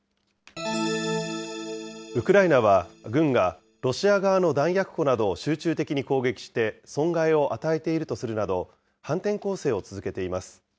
ウクライナは、軍がロシア側の弾薬庫などを集中的に攻撃して損害を与えているとするなど、反転攻勢を続けています。